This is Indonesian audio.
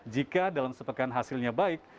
jika dalam sepekan hasilnya baik